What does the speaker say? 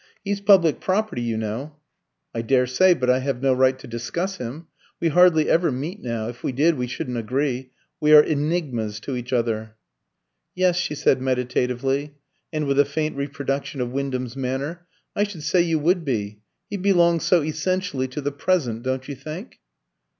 He's public property, you know." "I daresay, but I have no right to discuss him. We hardly ever meet now; if we did we shouldn't agree. We are enigmas to each other." "Yes," she said meditatively, and with a faint reproduction of Wyndham's manner, "I should say you would be. He belongs so essentially to the present, don't you think?"